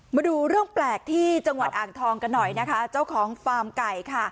มาดูเรื่องแปลกที่จังหวัดอ่างทองกันหน่อยนะคะเจ้าของฟาร์มไก่ค่ะ